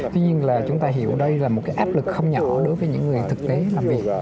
tuy nhiên là chúng ta hiểu đây là một cái áp lực không nhỏ đối với những người thực tế làm việc